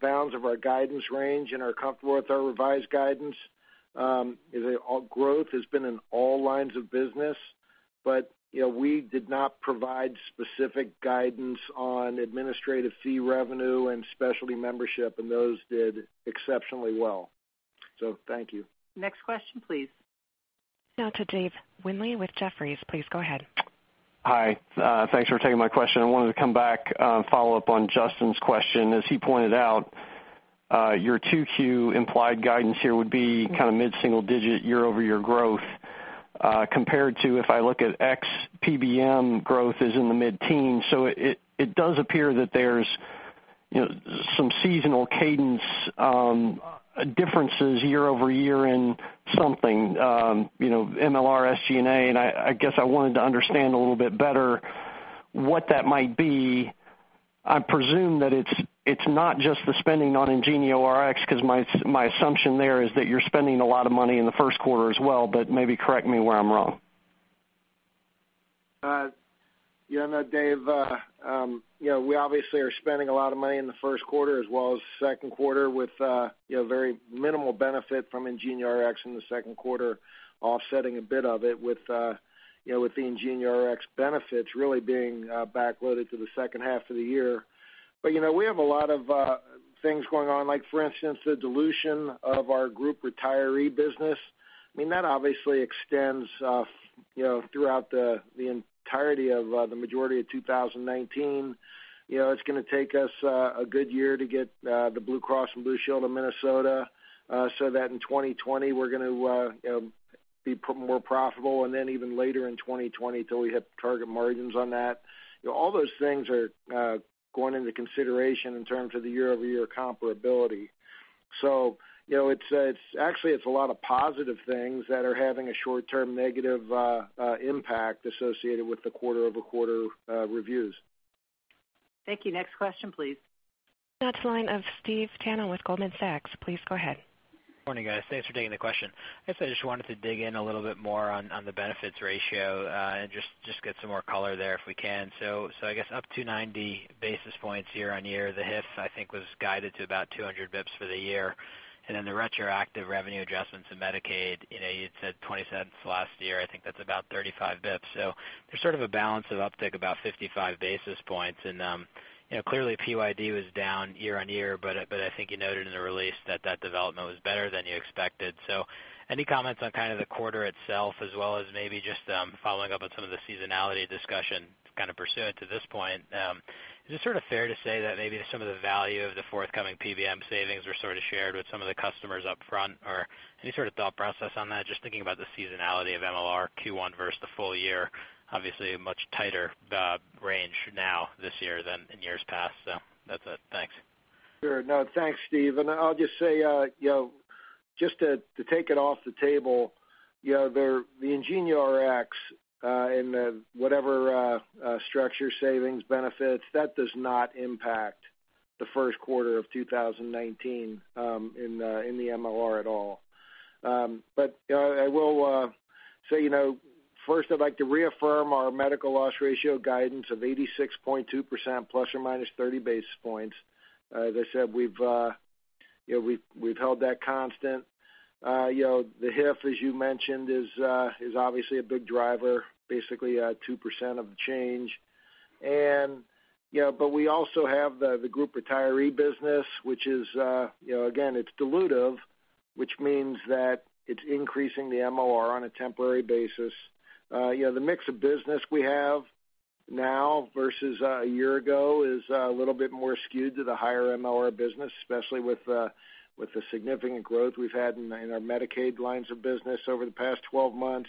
bounds of our guidance range and are comfortable with our revised guidance. Our growth has been in all lines of business, but we did not provide specific guidance on administrative fee revenue and specialty membership, and those did exceptionally well. Thank you. Next question, please. To David Windley with Jefferies. Please go ahead. Hi. Thanks for taking my question. I wanted to come back, follow up on Justin's question. As he pointed out, your 2Q implied guidance here would be mid-single-digit year-over-year growth compared to, if I look at ex-PBM growth is in the mid-teens. It does appear that there's some seasonal cadence differences year-over-year in something, MLR, SG&A, and I guess I wanted to understand a little bit better what that might be. I presume that it's not just the spending on IngenioRx, because my assumption there is that you're spending a lot of money in the first quarter as well, but maybe correct me where I'm wrong. You know, Dave, we obviously are spending a lot of money in the first quarter as well as the second quarter with very minimal benefit from IngenioRx in the second quarter, offsetting a bit of it with the IngenioRx benefits really being backloaded to the second half of the year. We have a lot of things going on, like for instance, the dilution of our group retiree business. That obviously extends throughout the entirety of the majority of 2019. It's going to take us a good year to get the Blue Cross and Blue Shield of Minnesota so that in 2020 we're going to be more profitable, and then even later in 2020 till we hit target margins on that. All those things are going into consideration in terms of the year-over-year comparability. Actually, it's a lot of positive things that are having a short-term negative impact associated with the quarter-over-quarter reviews. Thank you. Next question, please. Now to the line of Stephen Tanal with Goldman Sachs. Please go ahead. Morning, guys. Thanks for taking the question. I guess I just wanted to dig in a little bit more on the benefits ratio and just get some more color there if we can. I guess up 290 basis points year-on-year. The HIF, I think, was guided to about 200 basis points for the year. Then the retroactive revenue adjustments in Medicaid, you'd said $0.20 last year. I think that's about 35 basis points. There's sort of a balance of uptick, about 55 basis points. Clearly, PYD was down year-on-year, I think you noted in the release that that development was better than you expected. Any comments on kind of the quarter itself as well as maybe just following up on some of the seasonality discussion kind of pursuant to this point? Is it sort of fair to say that maybe some of the value of the forthcoming PBM savings were sort of shared with some of the customers up front? Or any sort of thought process on that? Just thinking about the seasonality of MLR Q1 versus the full year, obviously a much tighter range now this year than in years past. That's it. Thanks. Sure. No, thanks, Steve. I'll just say, just to take it off the table, the IngenioRx and whatever structure savings benefits, that does not impact the first quarter of 2019 in the MLR at all. I will say first I'd like to reaffirm our medical loss ratio guidance of 86.2%, plus or minus 30 basis points. As I said, we've held that constant. The HIF, as you mentioned, is obviously a big driver, basically 2% of the change. We also have the group retiree business, which is again, it's dilutive, which means that it's increasing the MLR on a temporary basis. The mix of business we have now versus a year ago is a little bit more skewed to the higher MLR business, especially with the significant growth we've had in our Medicaid lines of business over the past 12 months.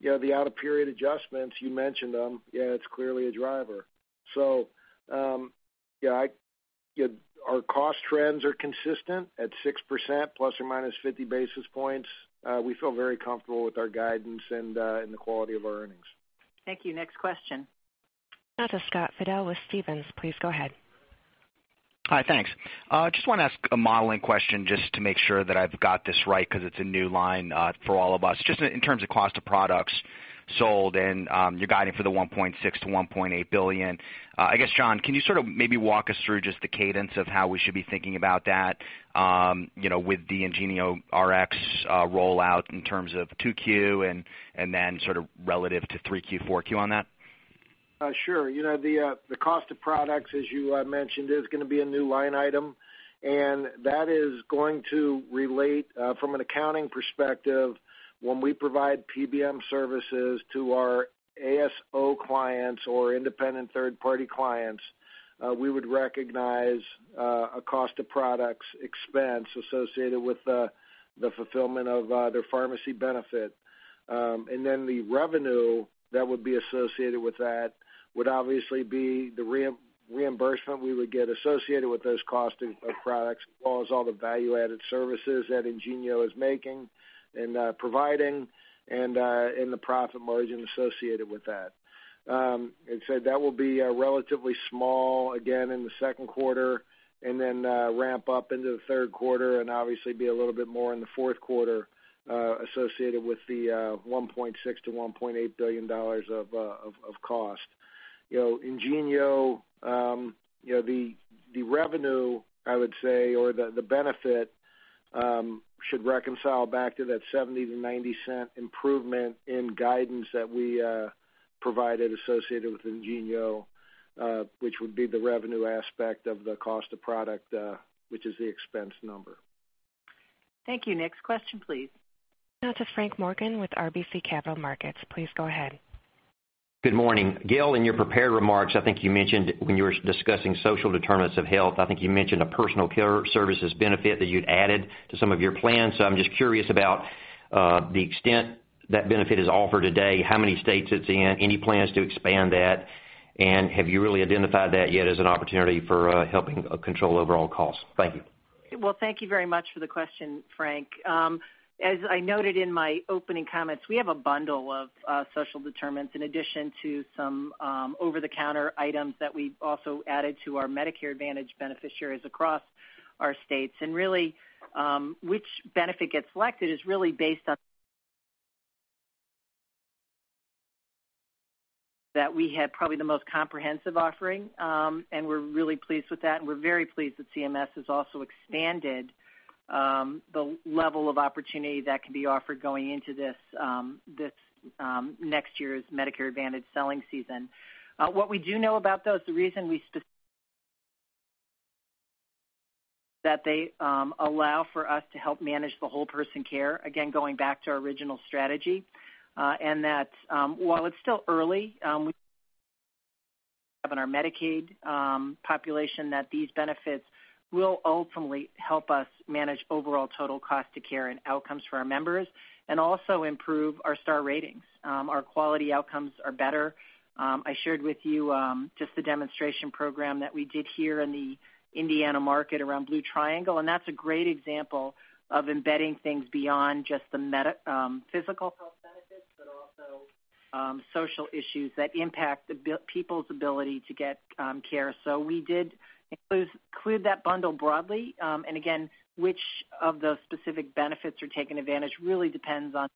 The out-of-period adjustments, you mentioned them, it's clearly a driver. Our cost trends are consistent at 6%, plus or minus 50 basis points. We feel very comfortable with our guidance and the quality of our earnings. Thank you. Next question. Now to Scott Fidel with Stephens. Please go ahead. Hi, thanks. Just want to ask a modeling question just to make sure that I've got this right because it's a new line for all of us. Just in terms of cost of products sold and you're guiding for the $1.6 billion-$1.8 billion. I guess, John, can you sort of maybe walk us through just the cadence of how we should be thinking about that with the IngenioRx rollout in terms of 2Q and then sort of relative to 3Q, 4Q on that? Sure. The cost of products, as you mentioned, is going to be a new line item, and that is going to relate from an accounting perspective when we provide PBM services to our ASO clients or independent third-party clients, we would recognize a cost of products expense associated with the fulfillment of their pharmacy benefit. The revenue that would be associated with that would obviously be the reimbursement we would get associated with those cost of products plus all the value-added services that Ingenio is making and providing and the profit margin associated with that. That will be relatively small again in the second quarter and then ramp up into the third quarter and obviously be a little bit more in the fourth quarter associated with the $1.6 billion-$1.8 billion of cost. Ingenio, the revenue I would say, or the benefit should reconcile back to that $0.70-$0.90 improvement in guidance that we provided associated with Ingenio, which would be the revenue aspect of the cost of product, which is the expense number. Thank you. Next question, please. To Frank Morgan with RBC Capital Markets. Please go ahead. Good morning. Gail, in your prepared remarks, I think you mentioned when you were discussing social determinants of health, I think you mentioned a personal care services benefit that you'd added to some of your plans. I'm just curious about the extent that benefit is offered today, how many states it's in, any plans to expand that, and have you really identified that yet as an opportunity for helping control overall costs? Thank you. Thank you very much for the question, Frank. As I noted in my opening comments, we have a bundle of social determinants in addition to some over-the-counter items that we've also added to our Medicare Advantage beneficiaries across our states. Really, which benefit gets selected is really based on that we have probably the most comprehensive offering, and we're really pleased with that, and we're very pleased that CMS has also expanded the level of opportunity that can be offered going into this next year's Medicare Advantage selling season. What we do know about those, the reason we specifically that they allow for us to help manage the whole person care, again, going back to our original strategy, and that while it's still early, we have in our Medicaid population that these benefits will ultimately help us manage overall total cost of care and outcomes for our members and also improve our star ratings. Our quality outcomes are better. I shared with you just the demonstration program that we did here in the Indiana market around Blue Triangle, and that's a great example of embedding things beyond just the physical health benefits, but also social issues that impact people's ability to get care. We did include that bundle broadly. Again, which of the specific benefits are taken advantage really depends on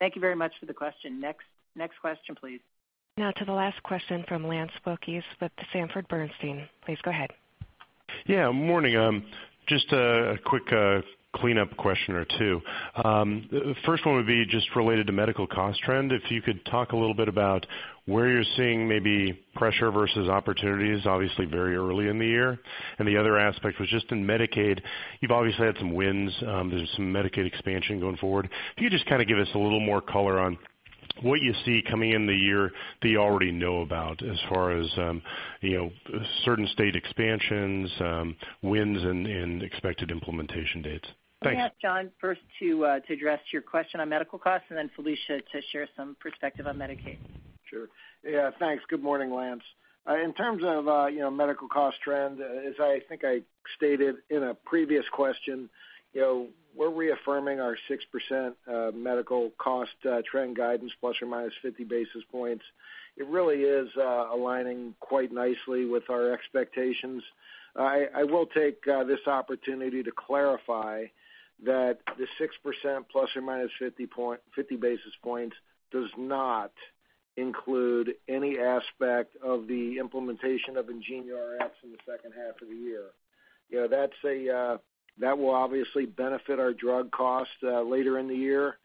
Thank you very much for the question. Next question, please. Now to the last question from Lance Wilkes with the Sanford Bernstein. Please go ahead. Morning. Just a quick cleanup question or two. First one would be just related to medical cost trend. If you could talk a little bit about where you're seeing maybe pressure versus opportunities, obviously very early in the year. The other aspect was just in Medicaid. You've obviously had some wins. There's some Medicaid expansion going forward. Can you just give us a little more color on what you see coming in the year that you already know about as far as certain state expansions, wins, and expected implementation dates? Thanks. I'm going to ask John first to address your question on medical costs and then Felicia to share some perspective on Medicaid. Sure. Yeah, thanks. Good morning, Lance. In terms of medical cost trend, as I think I stated in a previous question, we're reaffirming our 6% medical cost trend guidance plus or minus 50 basis points. It really is aligning quite nicely with our expectations. I will take this opportunity to clarify that the 6% plus or minus 50 basis points does not include any aspect of the implementation of IngenioRx in the second half of the year. That will obviously benefit our drug cost later in the year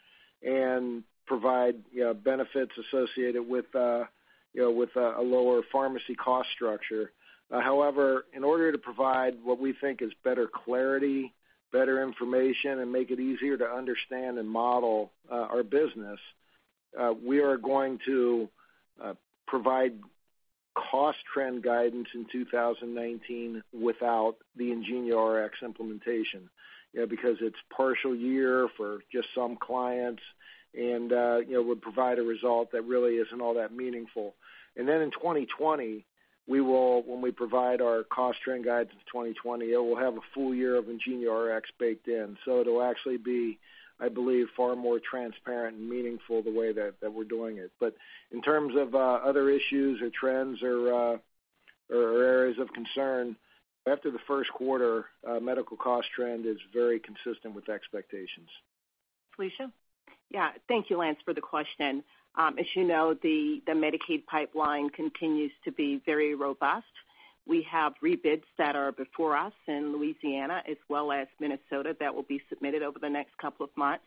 and provide benefits associated with a lower pharmacy cost structure. In order to provide what we think is better clarity, better information, and make it easier to understand and model our business, we are going to provide cost trend guidance in 2019 without the IngenioRx implementation, because it's partial year for just some clients, and would provide a result that really isn't all that meaningful. In 2020, when we provide our cost trend guidance of 2020, it will have a full year of IngenioRx baked in. It'll actually be, I believe, far more transparent and meaningful the way that we're doing it. In terms of other issues or trends or areas of concern, after the first quarter, medical cost trend is very consistent with expectations. Felicia? Yeah. Thank you, Lance, for the question. As you know, the Medicaid pipeline continues to be very robust. We have rebids that are before us in Louisiana as well as Minnesota that will be submitted over the next couple of months.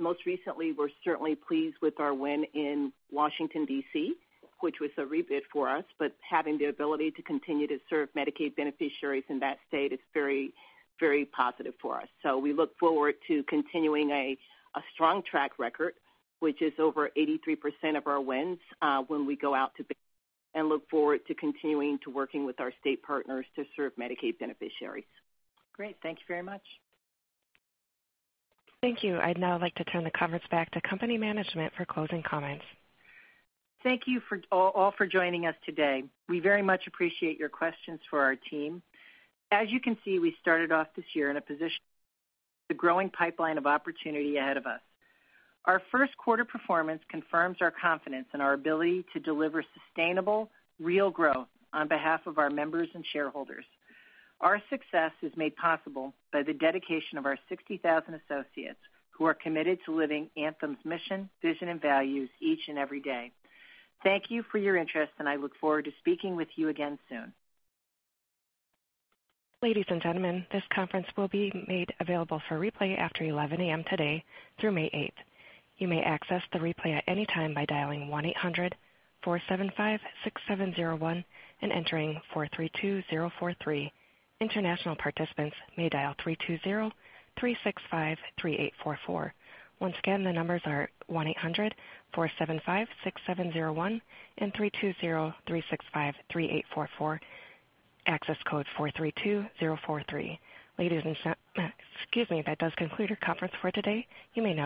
Most recently, we're certainly pleased with our win in Washington, D.C., which was a rebid for us, but having the ability to continue to serve Medicaid beneficiaries in that state is very positive for us. We look forward to continuing a strong track record, which is over 83% of our wins when we go out to bid and look forward to continuing to working with our state partners to serve Medicaid beneficiaries. Great. Thank you very much. Thank you. I'd now like to turn the conference back to company management for closing comments. Thank you all for joining us today. We very much appreciate your questions for our team. As you can see, we started off this year in a position with a growing pipeline of opportunity ahead of us. Our first quarter performance confirms our confidence in our ability to deliver sustainable, real growth on behalf of our members and shareholders. Our success is made possible by the dedication of our 60,000 associates who are committed to living Anthem's mission, vision, and values each and every day. Thank you for your interest, and I look forward to speaking with you again soon. Ladies and gentlemen, this conference will be made available for replay after 11:00 A.M. today through May 8th. You may access the replay at any time by dialing 1-800-475-6701 and entering 432043. International participants may dial 320-365-3844. Once again, the numbers are 1-800-475-6701 and 320-365-3844. Access code 432043. Excuse me. That does conclude our conference for today. You may disconnect.